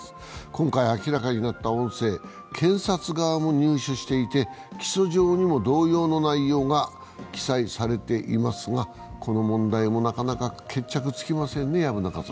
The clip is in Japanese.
今回明らかになった音声、検察側も入手していて、起訴状にも同様の内容が記載されていますが、この問題もなかなか決着つきませんね。